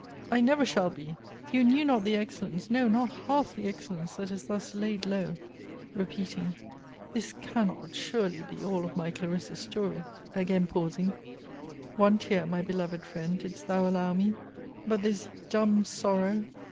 I never shall be! You knew not the excellence, no, not half the excellence, that is thus laid low! Repeating, This cannot, surely, be all of my CLARISSA'S story! Again pausing, One tear, my beloved friend, didst thou allow me! But this dumb sorrow!